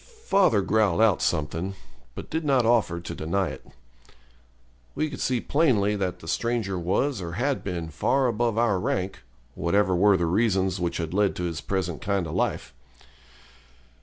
Father growled out something, but did not offer to deny it. We could see plainly that the stranger was or had been far above our rank, whatever were the reasons which had led to his present kind of life.